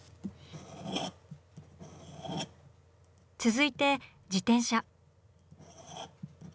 続いて自転車。